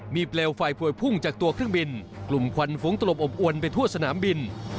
มีเปลวไฟพวยพุ่งจากตัวเครื่องบินกลุ่มควันฟุ้งตลบอบอวนไปทั่วสนามบิน